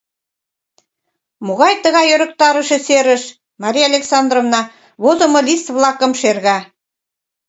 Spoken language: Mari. «Могай тыгай ӧрыктарыше серыш?» — Мария Александровна возымо лист-влакым шерга.